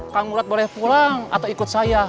kang urat boleh pulang atau ikut saya